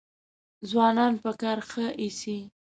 ځوانان په کار ښه ایسي.